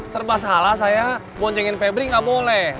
serba salah saya boncengin febri nggak boleh